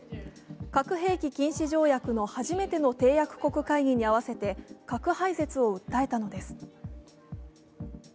核兵器禁止条約の初めての締約国会議に合わせて核廃絶を訴えたのです。